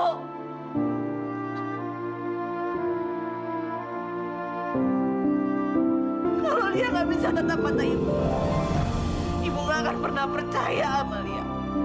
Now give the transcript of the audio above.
ibu gak akan pernah percaya sama lia